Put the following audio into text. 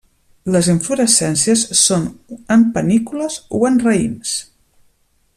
Les inflorescències són en panícules o en raïms.